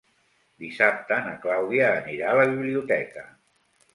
Dissabte na Clàudia anirà a la biblioteca.